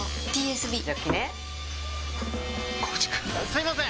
すいません！